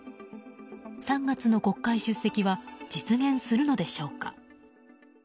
３月の国会出席は実現するのでしょうか。